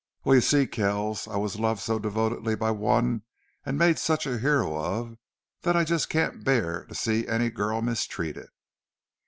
"Well, you see, Kells, I was loved so devotedly by one and made such a hero of that I just can't bear to see any girl mistreated."